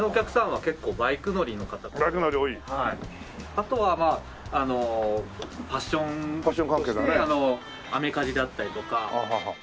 あとはまあファッションとしてアメカジだったりとか。